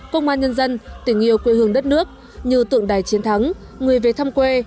công an nhân dân tình yêu quê hương đất nước như tượng đài chiến thắng người về thăm quê